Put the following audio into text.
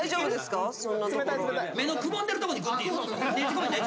目のくぼんでるとこにぐって。